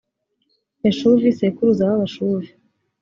yashuvi sekuruza w’abashuvi.